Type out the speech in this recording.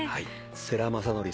世良公則さん